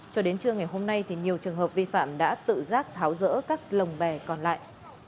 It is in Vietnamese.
cho đến trưa ngày hôm nay thì nhiều trường hợp vi phạm đã tự giác tháo rỡ các lồng bè còn lại